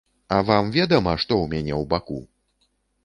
А вам ведама, што ў мяне ў баку?